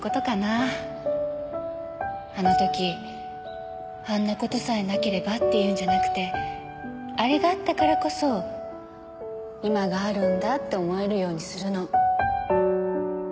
あの時あんな事さえなければっていうんじゃなくてあれがあったからこそ今があるんだって思えるようにするの。